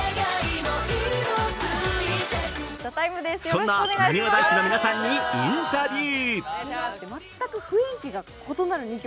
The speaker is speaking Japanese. そんななにわ男子の皆さんにインタビュー。